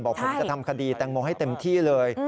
ผมจะทำคดีแตงโมให้เต็มที่เลย